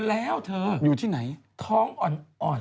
แล้วไงของอ่อน